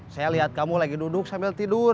saya lihat kamu lagi duduk sambil tidur